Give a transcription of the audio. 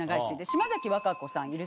島崎和歌子さん